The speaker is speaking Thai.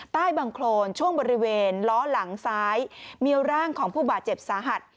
ใต้บังโครนช่วงบริเวณล้อหลังซ้ายมีร่างของผู้บาดเจ็บสาหัส